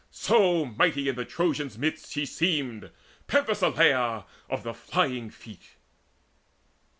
So mighty in the Trojans' midst she seemed, Penthesileia of the flying feet.